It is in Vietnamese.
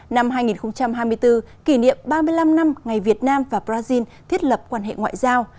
năm hai nghìn hai mươi bốn kỷ niệm ba mươi năm năm ngày việt nam và brazil thiết lập quan hệ ngoại giao